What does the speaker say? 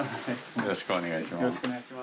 よろしくお願いします。